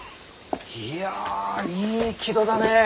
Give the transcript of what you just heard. いやいい木戸だねえ。